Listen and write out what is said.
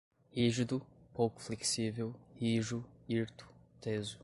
rígido, pouco flexível, rijo, hirto, teso